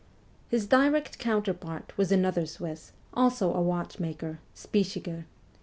His direct counterpart "was another Swiss, also a watchmaker, Spichiger.